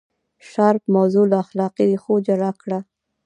شارپ موضوع له اخلاقي ریښو جلا کړه.